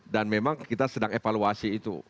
dan memang kita sedang evaluasi itu